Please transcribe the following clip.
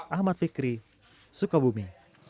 ahmad fikri sukabumi